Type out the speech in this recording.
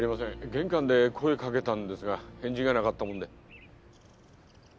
玄関で声掛けたんですが返事がなかったもんで。